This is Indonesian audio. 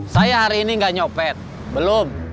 saya hari ini nggak nyopet belum